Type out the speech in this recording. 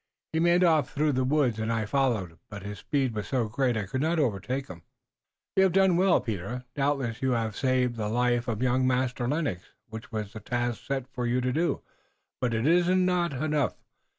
He made off through the woods and I followed, but his speed was so great I could not overtake him." "You haf done well, Peter. Doubtless you haf saved the life of young Master Lennox, which was the task set for you to do. But it iss not enough.